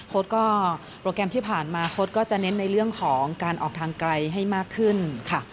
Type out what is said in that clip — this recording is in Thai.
โปรแกรมที่ผ่านมาโค้ดก็จะเน้นในเรื่องของการออกทางไกลให้มากขึ้นค่ะ